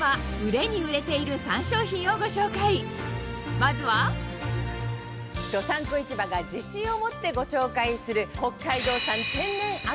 まずは『どさんこ市場』が自信を持ってご紹介する。